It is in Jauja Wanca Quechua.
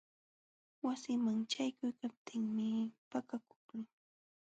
Wasinman ćhaykuykaptiimi pakakuqlun.